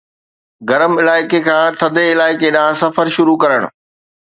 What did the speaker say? گرم علائقي کان ٿڌي علائقي ڏانهن سفر شروع ڪرڻ